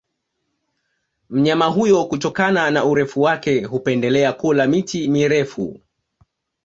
Mnyama huyo kutokana na urefu wake hupendelea kula miti mirefu